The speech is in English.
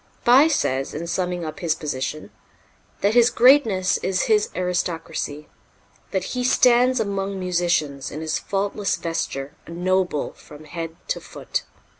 Bie says, in summing up his position, that his greatness is his aristocracy; that "he stands among musicians, in his faultless vesture, a noble from head to foot."